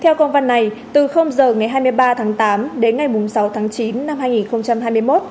theo công văn này từ giờ ngày hai mươi ba tháng tám đến ngày sáu tháng chín năm hai nghìn hai mươi một